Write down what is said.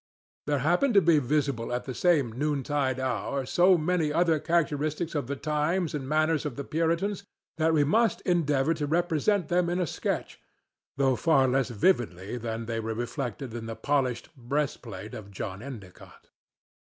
There happened to be visible at the same noontide hour so many other characteristics of the times and manners of the Puritans that we must endeavor to represent them in a sketch, though far less vividly than they were reflected in the polished breastplate of John Endicott.